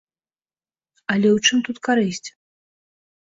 Але ў чым тут карысць?